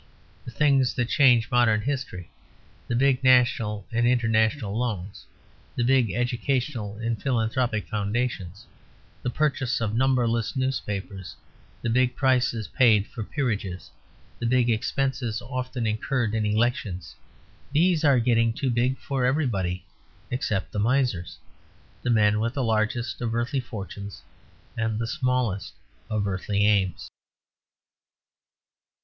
The things that change modern history, the big national and international loans, the big educational and philanthropic foundations, the purchase of numberless newspapers, the big prices paid for peerages, the big expenses often incurred in elections these are getting too big for everybody except the misers; the men with the largest of earthly fortunes and the smallest of earthly aims.